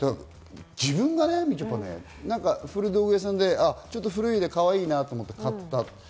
自分が古道具屋さんで古くてかわいいなと思って買った。